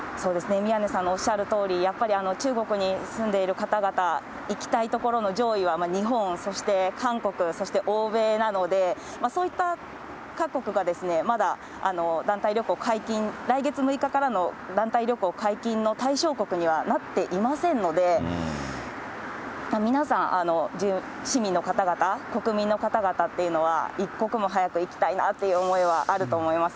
宮根さんのおっしゃるとおり、やっぱり中国に住んでいる方々、行きたいところの上位は日本、そして韓国、そして欧米なので、そういった各国がまだ団体旅行解禁、来月６日からの団体旅行解禁の対象国にはなっていませんので、皆さん、市民の方々、国民の方々っていうのは、一刻も早く行きたいなという思いはあると思います。